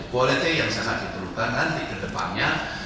politik yang sangat diperlukan nanti ke depannya